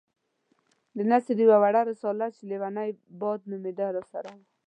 د نثر يوه وړه رساله چې ليونی باد نومېده راسره وه.